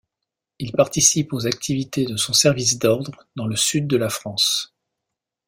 Il participe aux activités de son service d'ordre dans le Sud de la France.